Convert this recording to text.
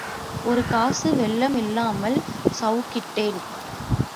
ஒருகாசு வெல்லம் இல்லாமல் சவுக்கிட்டேன்.